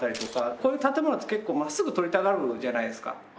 こういう建物って結構真っすぐ撮りたがるじゃないですか。